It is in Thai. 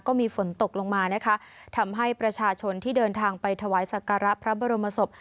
ก็มีฝนตกลงมานะคะทำให้ประชาชนที่เดินทางไปถวายสักการะพระบรมศพ